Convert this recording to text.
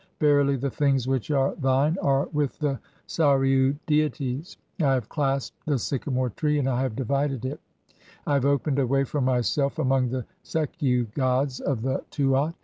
"Verily the things which are thine are with the Sarin deities. "I have clasped the sycamore tree and I have divided (?) it (18); "I have opened a way for myself [among] the Sekhiu gods of the "Tuat.